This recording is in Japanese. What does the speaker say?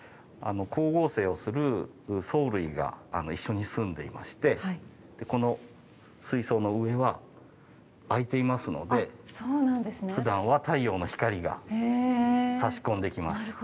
光合成をする藻類が一緒に住んでいましてこの水槽の上は開いていますのでふだんは太陽の光がさし込んできます。